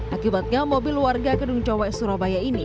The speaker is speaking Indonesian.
akibatnya mobil warga gedung cowok surabaya ini